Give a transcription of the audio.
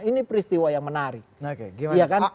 ini peristiwa yang menarik